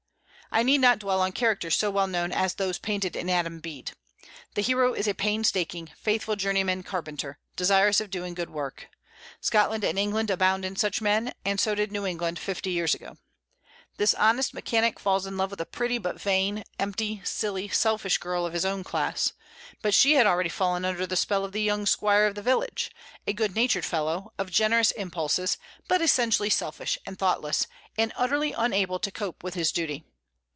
I need not dwell on characters so well known as those painted in "Adam Bede." The hero is a painstaking, faithful journeyman carpenter, desirous of doing good work. Scotland and England abound in such men, and so did New England fifty years ago. This honest mechanic falls in love with a pretty but vain, empty, silly, selfish girl of his own class; but she had already fallen under the spell of the young squire of the village, a good natured fellow, of generous impulses, but essentially selfish and thoughtless, and utterly unable to cope with his duty.